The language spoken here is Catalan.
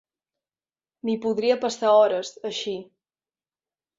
M'hi podria passar hores, així.